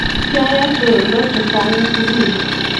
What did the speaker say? kiayei choronok chechanh eng sukul.